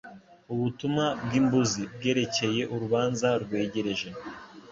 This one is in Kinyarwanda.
ubutumwa bw'imbuzi bwerekeye urubanza rwegereje